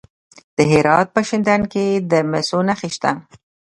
د هرات په شینډنډ کې د مسو نښې شته.